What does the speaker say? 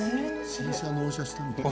新車納車したみたい。